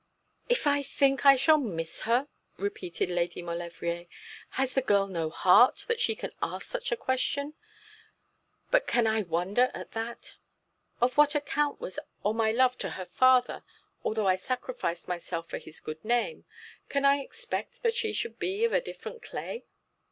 'If I think I shall miss her!' repeated Lady Maulevrier. 'Has the girl no heart, that she can ask such a question? But can I wonder at that? Of what account was I or my love to her father, although I sacrificed myself for his good name? Can I expect that she should be of a different clay?'